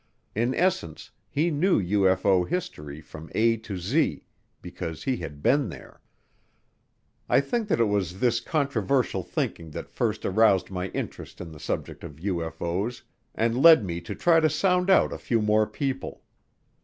In essence, he knew UFO history from A to Z because he had "been there." I think that it was this controversial thinking that first aroused my interest in the subject of UFO's and led me to try to sound out a few more people.